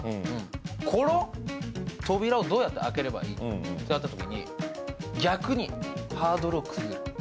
この扉をどうやって開けたらいいのかっていったときに、逆にハードルをくぐる。